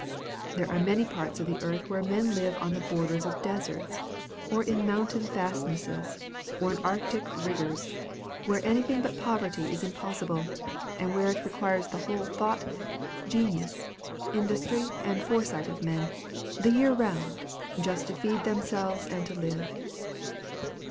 There are many parts of the earth where men live on the borders of deserts, or in mountain fastnesses, or in arctic rigors, where anything but poverty is impossible, and where it requires the whole thought, genius, industry, and foresight of men, the year round, just to feed themselves and to live.